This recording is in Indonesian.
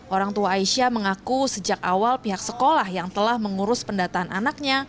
orang tua aisyah mengaku sejak awal pihak sekolah yang telah mengurus pendataan anaknya